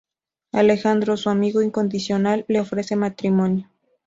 Alejandro, su amigo incondicional le ofrece matrimonio.